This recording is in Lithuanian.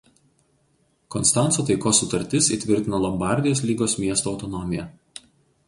Konstanco taikos sutartis įtvirtino Lombardijos Lygos miestų autonomiją.